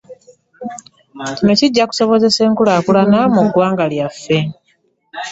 Kino kijja kusobozesa enkulaakulana mu ggwanga lyaffe